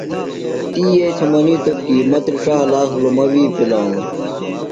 تی یئیئۡ تھےۡ منِیتوۡ کی مہ تِرݜہ ہلاخ بِھلوۡ مہ وی پِلانوۡ۔